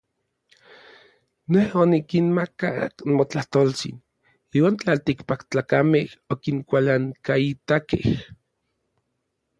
Nej onikinmakak motlajtoltsin, iuan tlaltikpaktlakamej okinkualankaitakej.